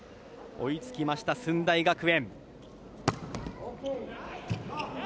追いつきました駿台学園。